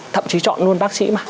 thậm chí chọn luôn bác sĩ mà